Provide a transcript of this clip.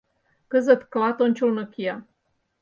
Кызыт клат ончылно кия.